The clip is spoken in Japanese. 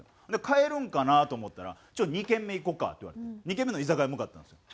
帰るんかなと思ったら「２軒目行こうか」って言われて２軒目の居酒屋向かったんですよ。